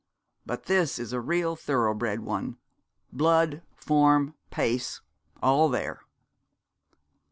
But this is a real thorough bred one blood, form, pace, all there.'